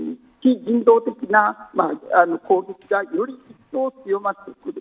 非人道的な攻撃が、より一層強まってくる。